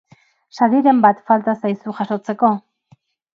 Sariren bat falta zaizu jasotzeko?